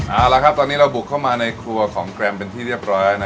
เอาละครับตอนนี้เราบุกเข้ามาในครัวของแกรมเป็นที่เรียบร้อยนะ